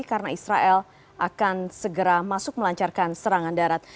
karena israel akan segera masuk melancarkan serangan darat